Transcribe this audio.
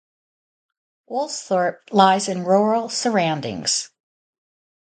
Woolsthorpe lies in rural surroundings.